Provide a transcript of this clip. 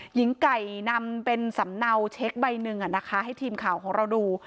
หญิงไก่นำเป็นสำเนาเช็คใบหนึ่งให้ทีมข่าวของเราดู